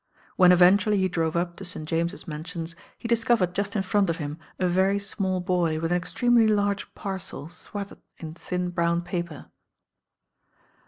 , When eventually he drove up to St. James's Man sions, he discovered just in front of him a very smaU boy with an extremely large parcel swathed in thin brown paper.